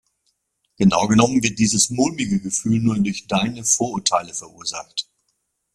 Genau genommen wird dieses mulmige Gefühl nur durch deine Vorurteile verursacht.